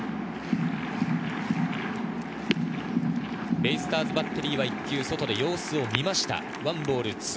ベイスターズバッテリーは１球、外で様子を見ました。